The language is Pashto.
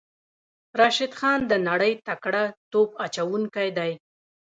راشد خان د نړۍ تکړه توپ اچوونکی دی.